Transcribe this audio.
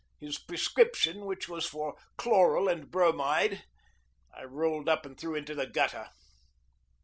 His prescription, which was for chloral and bromide, I rolled up and threw into the gutter.